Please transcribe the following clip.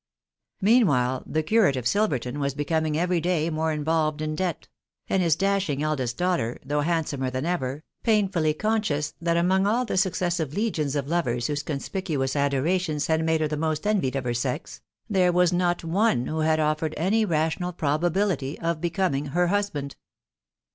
Meanwhile the curate of Silverton was becoming every day more involved in debt ; and his dashing eldest daughter, though handsomer than ever, painfully conscious that among all the successive legions of lovers whose conspicuous adorations had made her the most envied of her sex, there was not one who offered any rational probability of becoming her husband.